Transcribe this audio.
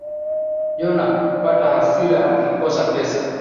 Jonna hupata hasira akikosa pesa